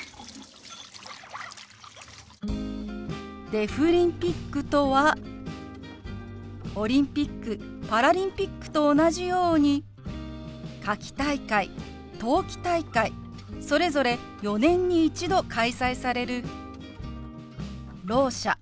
「デフリンピック」とはオリンピックパラリンピックと同じように夏季大会冬季大会それぞれ４年に一度開催されるろう者